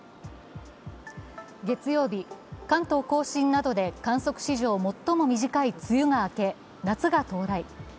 月曜日、関東甲信などで観測史上最も短い梅雨が明け、夏が到来。